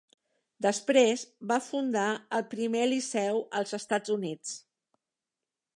Després, va fundar el primer liceu als Estats Units.